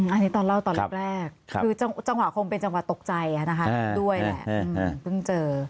อันนี้ตอนเล่าตอนแรกคือจังหวะคงเป็นจังหวะตกใจด้วยแหละเพิ่งเจอ